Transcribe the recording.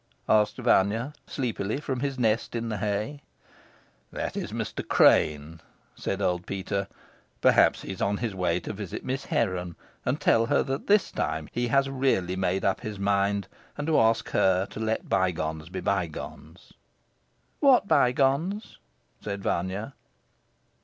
asked Vanya sleepily from his nest in the hay. "That is Mr. Crane," said old Peter. "Perhaps he is on his way to visit Miss Heron and tell her that this time he has really made up his mind, and to ask her to let bygones be bygones." "What bygones?" said Vanya.